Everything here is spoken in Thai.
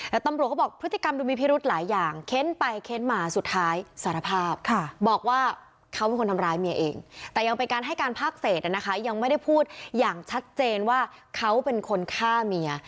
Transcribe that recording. แต่ตำรวจเขาบอกพฤติกรรมดูมีพิรุธหลายอย่างเค้นไปเค้นมาสุดท้ายสารภาพบอกว่าเขาเป็นคนทำร้ายเมียเองแต่ยังเป็นการให้การภาคเศษนะคะยังไม่ได้พูดอย่างชัดเจนว่าเขาเป็นคนฆ่าเมีย